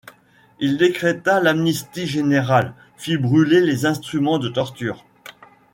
Il décréta l'amnistie générale, fit bruler les instruments de torture.